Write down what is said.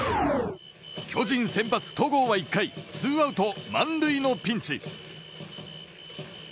巨人先発の戸郷は１回ツーアウト満塁のピンチ。